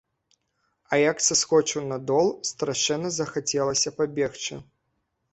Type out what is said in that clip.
А як саскочыў на дол, страшэнна захацелася пабегчы.